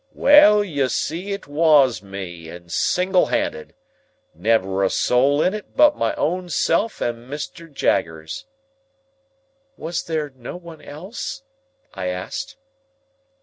"Well, you see it wos me, and single handed. Never a soul in it but my own self and Mr. Jaggers." "Was there no one else?" I asked.